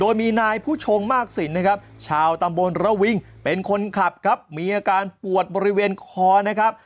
โดยมีนายผู้ชงมากสินนะครับชาวตำบลระวิงเป็นคนขับครับมีอาการปวดบริเวณคอนะครับ